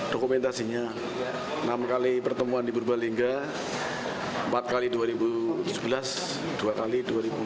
dokumentasinya enam kali pertemuan di purbalingga empat kali dua ribu sebelas dua kali dua ribu tujuh belas